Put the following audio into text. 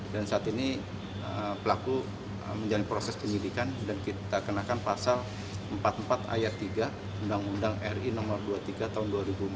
dan saat ini pelaku menjalani proses pemilikan dan kita kenakan pasal empat puluh empat ayat tiga undang undang ri no dua puluh tiga tahun dua ribu empat